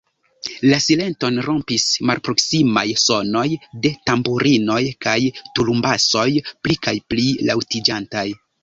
La silenton rompis malproksimaj sonoj de tamburinoj kaj tulumbasoj, pli kaj pli laŭtiĝantaj.